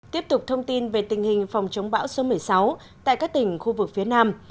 tiếp tục thông tin về tình hình phòng chống bão số một mươi sáu tại các tỉnh khu vực phía nam